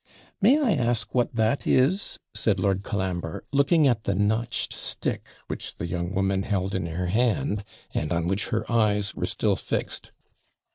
'May I ask what that is?' said Lord Colambre, looking at the notched stick, which the young woman held in her hand, and on which her eyes were still fixed.